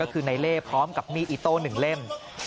ก็คือในเลพพร้อมกับมีอิโต้หนึ่งเล่ม